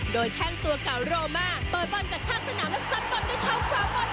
โดยแข้งตัวกับโรมาเบอร์บอนจากข้างสนามและซับบอนด้วยเท้าขวาบอน